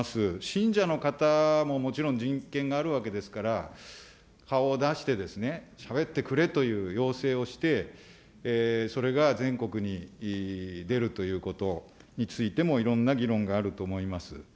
信者の方ももちろん人権があるわけですから、顔を出してしゃべってくれという要請をして、それが全国に出るということについてもいろんな議論があると思います。